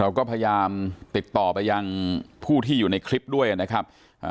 เราก็พยายามติดต่อไปยังผู้ที่อยู่ในคลิปด้วยนะครับ